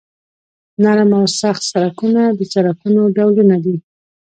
نرم او سخت سرکونه د سرکونو ډولونه دي